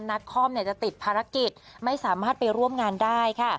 คอมจะติดภารกิจไม่สามารถไปร่วมงานได้ค่ะ